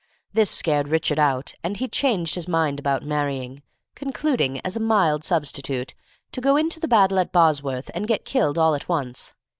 This scared Richard out, and he changed his mind about marrying, concluding, as a mild substitute, to go into battle at Bosworth and get killed all at once.